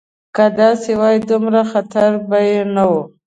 که داسې وای دومره خطر به یې نه و.